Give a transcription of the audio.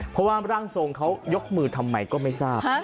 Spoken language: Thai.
เพราะว่าร่างทรงเขายกมือทำไมก็ไม่ทราบ